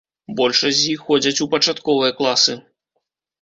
Большасць з іх ходзяць у пачатковыя класы.